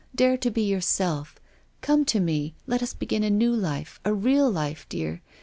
Dare to be yourself. Come to me, let us be gin a new life, a real life, dear.